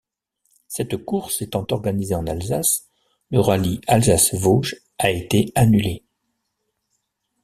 Cette course étant organisée en Alsace, le rallye Alsace-Vosges a été annulée.